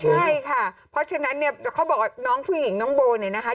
ใช่ค่ะเพราะฉะนั้นเนี่ยเขาบอกว่าน้องผู้หญิงน้องโบเนี่ยนะคะ